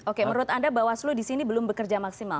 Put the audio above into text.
oke menurut anda bawaslu disini belum bekerja maksimal